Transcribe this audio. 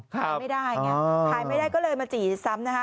ขายไม่ได้ไงขายไม่ได้ก็เลยมาจี่ซ้ำนะคะ